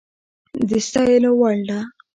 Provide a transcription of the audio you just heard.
د ستايلو وړ ده